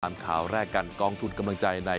ข่าวแรกกันกองทุนกำลังใจใน